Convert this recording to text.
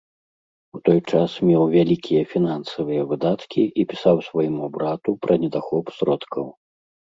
У той час меў вялікія фінансавыя выдаткі і пісаў свайму брату пра недахоп сродкаў.